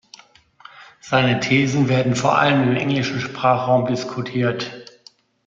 Seine Thesen werden vor allem im englischen Sprachraum diskutiert.